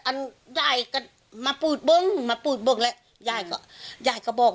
ยายก็มาปูดเบิ้งมาปูดเบิ้งแล้วยายก็ยายก็บอก